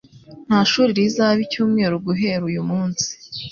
Nta shuri rizaba icyumweru guhera uyu munsi.